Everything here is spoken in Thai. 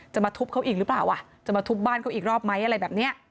มาทุบเขาอีกหรือเปล่าอ่ะจะมาทุบบ้านเขาอีกรอบไหมอะไรแบบนี้